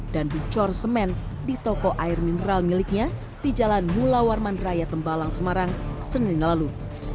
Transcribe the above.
dan dicor semen di toko air mineral miliknya di jalan mulawarman raya tembalang semarang senin lalu